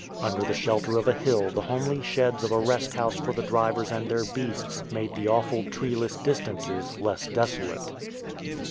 Under the shelter of a hill the homely sheds of a rest house for the drivers and their beasts made the awful treeless distances less desolate.